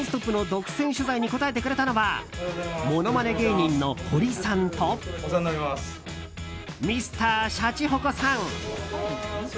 独占取材に答えてくれたのはものまね芸人のホリさんとＭｒ．シャチホコさん。